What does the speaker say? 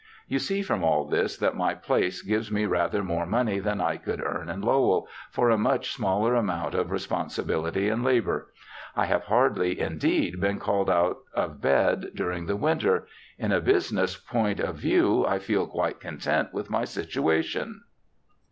You see from all this, that my place gives me rather more money than I could earn in Lowell, for a much smaller amount of responsi bility and labour. I have hardly, indeed, been called out of bed during the winter. In a business point of view I feel quite content with my situation.'